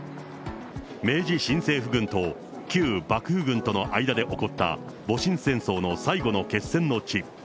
明治新政府軍と旧幕府軍との間で起こった、戊辰戦争の最後の決戦の地。